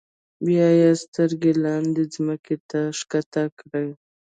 بیا یې سترګې لاندې ځمکې ته ښکته کړې.